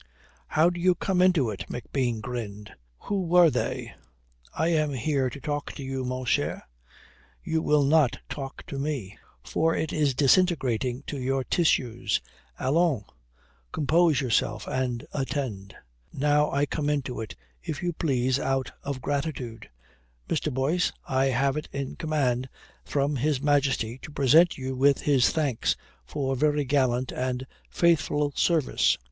"How do you come into it?" McBean grinned. "Who were they?" "I am here to talk to you, mon cher. You will not talk to me, for it is disintegrating to your tissues. Allons, compose yourself and attend. Now I come into it, if you please, out of gratitude. Mr. Boyce I have it in command from His Majesty to present you with his thanks for very gallant and faithful service."